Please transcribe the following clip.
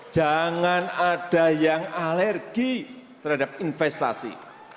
jangan ada yang alergi terhadap investasi